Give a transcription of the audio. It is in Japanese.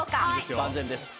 万全です。